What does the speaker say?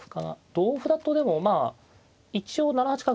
同歩だとでもまあ一応７八角成